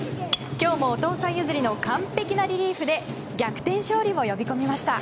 今日も、お父さん譲りの完璧なリリーフで逆転勝利を呼び込みました。